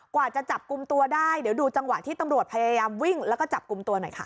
กว่าจะจับกลุ่มตัวได้เดี๋ยวดูจังหวะที่ตำรวจพยายามวิ่งแล้วก็จับกลุ่มตัวหน่อยค่ะ